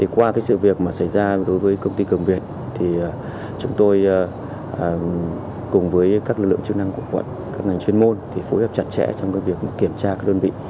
qua sự việc xảy ra đối với công ty cường việt chúng tôi cùng với các lực lượng chức năng của quận các ngành chuyên môn phối hợp chặt chẽ trong việc kiểm tra các đơn vị